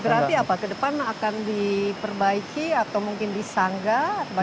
berarti apa ke depan akan diperbaiki atau mungkin disanggah